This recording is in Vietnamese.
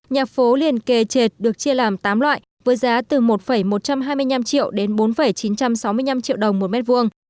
nhà phố liền kề chệt được chia làm tám loại với giá từ một một trăm hai mươi năm triệu đến bốn chín trăm sáu mươi năm triệu đồng một mét vuông